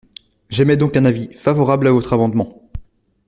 J’émets donc un avis favorable à votre amendement.